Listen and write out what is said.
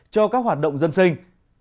cho các hoạt động dân sinh